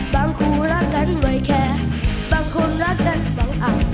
บางครูรักกันไว้แค่บางคนรักกันบางอัง